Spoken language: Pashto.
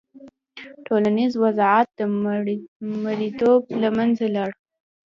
ټولنیز وضعیت د مریتوب له منځه لاړ.